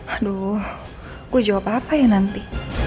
aduh gue jawab apa apa ya nanti